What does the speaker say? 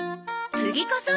次こそ！